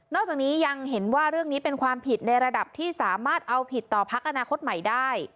จากนี้ยังเห็นว่าเรื่องนี้เป็นความผิดในระดับที่สามารถเอาผิดต่อพักอนาคตใหม่ได้